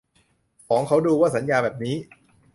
ฟ้องเขาดู ว่าสัญญาแบบนี้